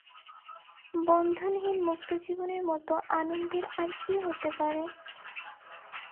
বন্ধনহীন মুক্ত জীবনের মতো আনন্দের আর কী হতে পারে?